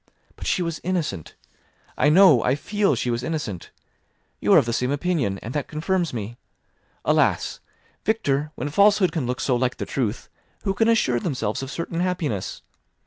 But she was innocent. I know, I feel she was innocent; you are of the same opinion, and that confirms me. Alas! Victor, when falsehood can look so like the truth, who can assure themselves of certain happiness?